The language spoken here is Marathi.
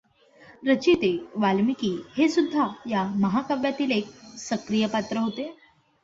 रचयिते वाल्मीकी हे सुद्धा या महाकाव्यातील एक सक्रिय पात्र होते.